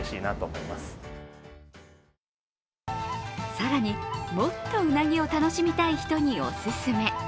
更に、もっとうなぎを楽しみたい人におすすめ。